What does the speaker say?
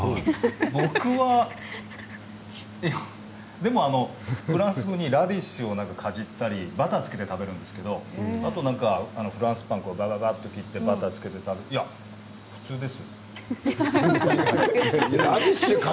僕はでもあのフランス風にラディッシュをかじったりバターをつけて食べるんですけれどフランスパンにばばばってバターをつけて食べて普通です。